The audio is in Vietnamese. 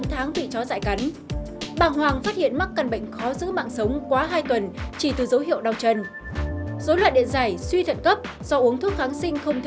hãy đăng ký kênh để ủng hộ kênh của chúng mình nhé